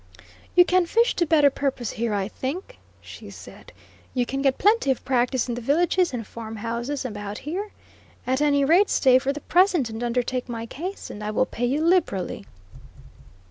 "You can fish to better purpose here, I think," she said; "you can get plenty of practice in the villages and farm houses about here: at any rate, stay for the present and undertake my case, and I will pay you liberally."